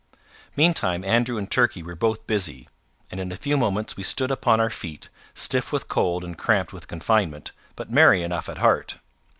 Meantime Andrew and Turkey were both busy; and in a few moments we stood upon our feet, stiff with cold and cramped with confinement, but merry enough at heart.